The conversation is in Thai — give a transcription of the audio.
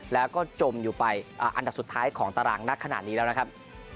แล้วก็จมอยู่ไปอันดับสุดท้ายของตารางนักขนาดนี้แล้วนะครับ